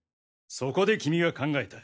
そこでキミは考えた。